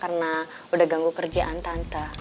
karena udah ganggu kerjaan tante